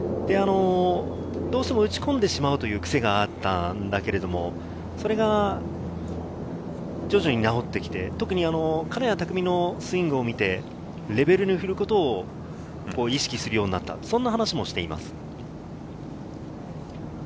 どうしても打ち込んでしまう癖があったんだけれど、それが徐々に治ってきて、特に金谷拓実のスイングを見てレベルに振ることを意識するようになったという話もしています。